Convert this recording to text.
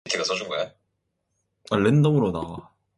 알고 있어.